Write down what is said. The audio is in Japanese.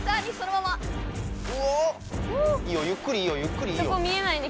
いいよゆっくりいいよゆっくりいいよ。